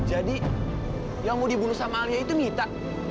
jadi yang mau dibunuh sama alia itu mita